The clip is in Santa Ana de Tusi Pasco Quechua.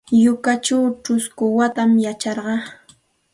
Yunkaćhaw ćhusku watam yacharqa.